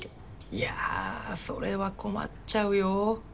いやそれは困っちゃうよ。